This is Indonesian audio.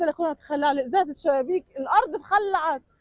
anak anak allah dari atas menjaga mereka dengan suatu alamat